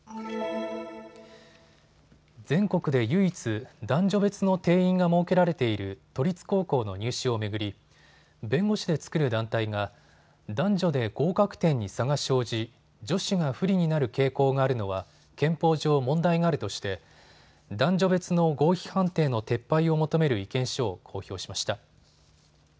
全国で唯一、男女別の定員が設けられている都立高校の入試を巡り弁護士で作る団体が男女で合格点に差が生じ女子が不利になる傾向があるのは憲法上、問題があるとして男女別の合否判定の撤廃を求める意見書を公表しました。